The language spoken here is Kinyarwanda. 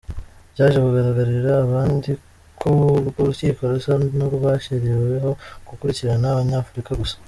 Byaje kugaragarira abandi ko urwo rukiko rusa n’urwashyiriweho gukurikirana Abanyafurika gusa.